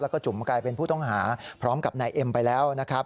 แล้วก็จุ๋มกลายเป็นผู้ต้องหาพร้อมกับนายเอ็มไปแล้วนะครับ